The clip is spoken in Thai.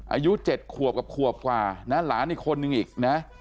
อายุ๗ขวบกับขวบกว่านะหลานอีกคนนึงอีกนะ